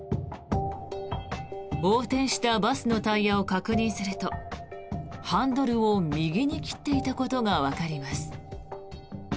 横転したバスのタイヤを確認するとハンドルを右に切っていたことがわかります。